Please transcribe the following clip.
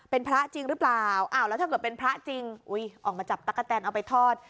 เป็นพระจริงหรือเปล่าอ้าวแล้วถ้าเกิดเป็นพระจริงออกมาจับตั๊กกะแตนเอาไปทอด